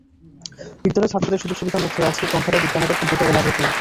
বিদ্যালয়ে ছাত্রদের সুযোগ-সুবিধার মধ্যে আছে গ্রন্থাগার, বিজ্ঞানাগার, কম্পিউটার ও ল্যাবরেটরি।